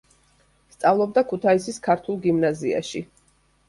სწავლობდა ქუთაისის ქართულ გიმნაზიაში.